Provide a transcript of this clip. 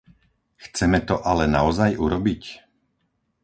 Chceme to ale naozaj urobiť?